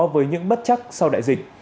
với những bất chắc sau đại dịch